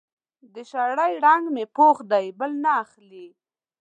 د شړۍ رنګ مې پوخ دی؛ بل نه اخلي.